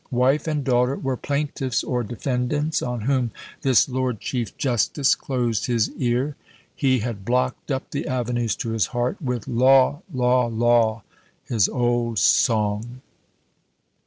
Wife and daughter were plaintiffs or defendants on whom this lord chief justice closed his ear: he had blocked up the avenues to his heart with "Law! Law! Law!" his "old song!"